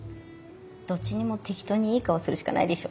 どっちにも適当にいい顔するしかないでしょ。